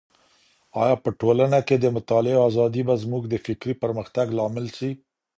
آيا په ټولنه کي د مطالعې ازادي به زموږ د فکري پرمختګ لامل سي؟